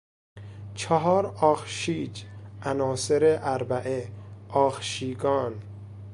چهار آخشیج، عناصر اربعه، آخشیگان